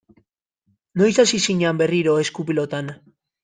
Noiz hasi zinen berriro esku-pilotan?